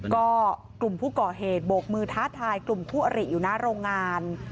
ก็กลุ่มผู้ก่อเหตุโบกมือท้าทายกลุ่มคู่อริอยู่หน้าโรงงาน